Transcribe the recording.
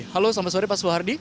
halo selamat sore pak soehardi